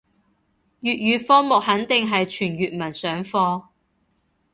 粵語科目肯定係全粵文上課